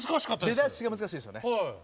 出だしが難しいですよね。